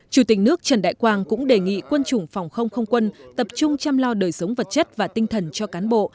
chủ tịch nước trần đại quang cũng đề nghị quân chủng phòng không không quân tập trung chăm lo đời sống vật chất và tinh thần cho cán bộ